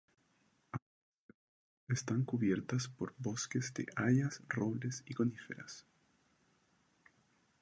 Amplias zonas están cubiertas por bosques de hayas, robles y coníferas.